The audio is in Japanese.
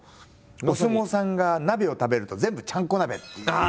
お相撲さんが鍋を食べると全部ちゃんこ鍋っていうね。